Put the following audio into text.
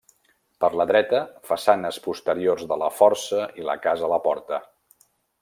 Per la dreta, façanes posteriors de la Força i la casa Laporta.